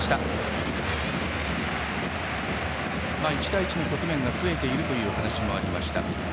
１対１の局面が増えているというお話もありました。